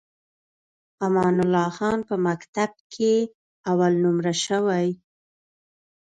امان الله خان په مکتب کې اول نمره شوی.